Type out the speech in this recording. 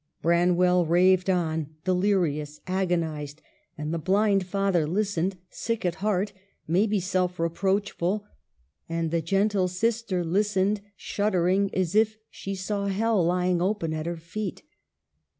Branwell raved on, delirious, agonized ; and the blind father listened, sick at heart, maybe self reproachful ; and the gentle sister listened, shuddering, as if she saw hell lying open at her feet.